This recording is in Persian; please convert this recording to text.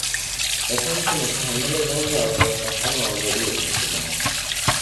کسانی که متحمل رنج از دست رفتن آزادیشان شدند